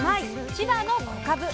千葉の「小かぶ」。